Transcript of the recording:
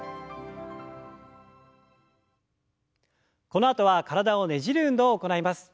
このあとは体をねじる運動を行います。